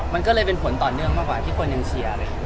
มันก็เลยเป็นผลต่อเนื่องมากกว่าที่คนยังเชียร์เลย